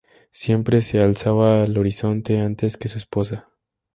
Siempre se alzaba al horizonte antes que su esposa.